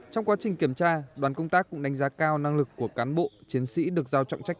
trong quá trình kiểm tra đoàn công tác cũng đánh giá cao năng lực của cán bộ chiến sĩ được giao trọng trách